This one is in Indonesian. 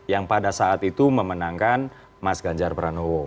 yang pada saat itu memenangkan mas ganjar pranowo